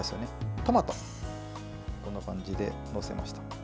トマト、こんな感じで載せました。